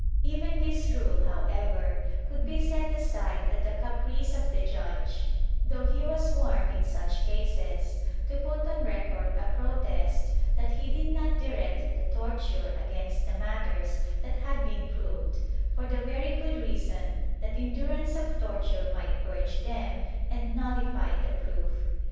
Even this rule, however, could be set aside at the caprice of the judge, though he was warned, in such cases, to put on record a protest that he did not direct the torture against the matters that had been proved, for the very good reason that endurance of torture might purge them and nullify the proof.